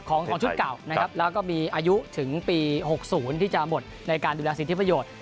ของชุดเก่านะครับแล้วก็มีอายุถึงปี๖๐ที่จะหมดในการดูแลสิทธิประโยชน์